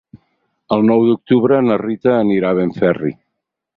El nou d'octubre na Rita anirà a Benferri.